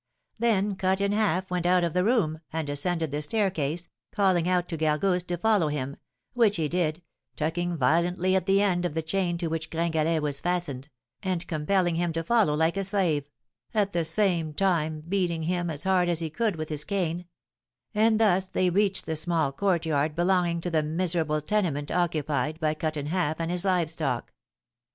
Then Cut in Half went out of the room, and descended the staircase, calling out to Gargousse to follow him, which he did, tugging violently at the end of the chain to which Gringalet was fastened, and compelling him to follow like a slave, at the same time beating him as hard as he could with his cane; and thus they reached the small courtyard belonging to the miserable tenement occupied by Cut in Half and his live stock.